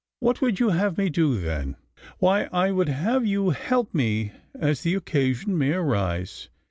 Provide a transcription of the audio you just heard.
'What would you have me do then?' 'Why, I would have you help me as the occasion may arise.